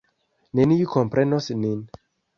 Neniu komprenos nin.